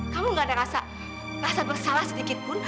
kamu gak ada rasa bersalah sedikit pun